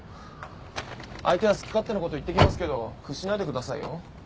相手は好き勝手なこと言ってきますけど屈しないでくださいよ。